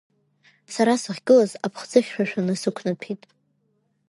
Сара сахьгылаз аԥҳӡы хьшәашәа насықәнаҭәеит.